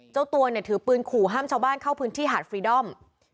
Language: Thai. เจ้าตัวเนี่ยถือปืนขู่ห้ามชาวบ้านเข้าพื้นที่หาดฟรีดอม